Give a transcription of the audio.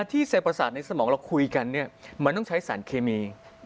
ที่เซประสาทในสมองเราคุยกันมันต้องใช้สารเคมี